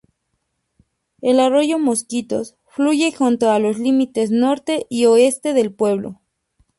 El arroyo Mosquitos fluye junto a los límites norte y oeste del pueblo.